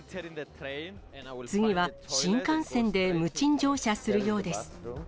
次は新幹線で無賃乗車するようです。